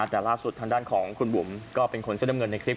แต่ล่าสุดทางด้านของคุณบุ๋มก็เป็นคนเสื้อน้ำเงินในคลิป